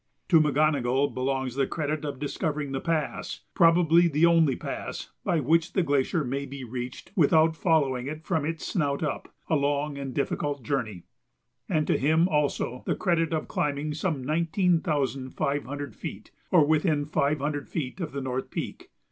To McGonogill belongs the credit of discovering the pass, probably the only pass, by which the glacier may be reached without following it from its snout up, a long and difficult journey; and to him also the credit of climbing some nineteen thousand five hundred feet, or to within five hundred feet of the North Peak.